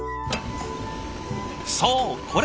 そうこれ！